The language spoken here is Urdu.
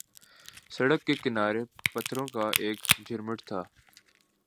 سڑک کے کنارے پتھروں کا ایک جھرمٹ تھا